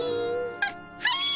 あっはい。